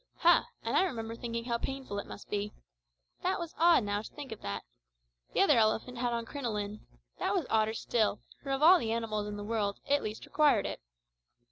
Ha! and I remember thinking how painful it must be. That was odd, now, to think of that. The other elephant had on crinoline. That was odder still; for of all animals in the world it least required it.